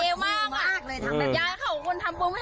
อย่าเราก็ทำตรงนี้